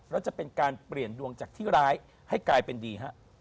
แล้วจะเป็นการเปลี่ยนดวงจากที่ร้ายให้กลายเป็นดีฮะ